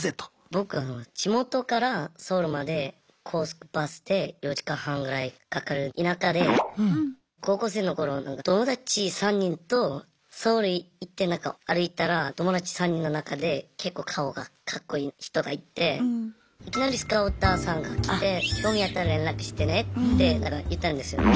僕は地元からソウルまで高速バスで４時間半ぐらいかかる田舎で高校生の頃友達３人とソウル行ってなんか歩いたら友達３人の中で結構顔がかっこいい人がいていきなりスカウターさんが来て「興味あったら連絡してね」って言ったんですよ。